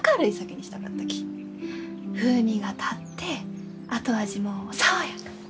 風味が立って後味も爽やか。